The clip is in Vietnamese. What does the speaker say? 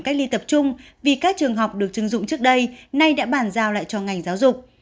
cách ly tập trung vì các trường học được chứng dụng trước đây nay đã bàn giao lại cho ngành giáo dục